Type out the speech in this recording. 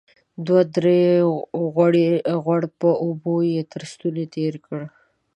دوه درې غوړپه اوبه يې تر ستوني تېرې کړې.